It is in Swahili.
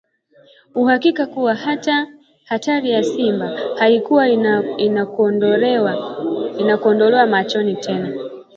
uhakika kuwa hatari ya ‘Simba’ haikuwa inawakodolea macho tena